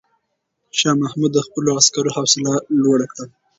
شاه محمود د خپلو عسکرو حوصله لوړه کړه.